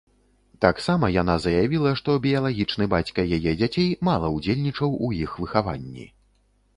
Таксама яна заявіла, што біялагічны бацька яе дзяцей мала ўдзельнічаў у іх выхаванні.